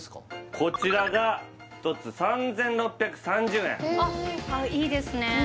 こちらが１つ３６３０円へえあっいいですね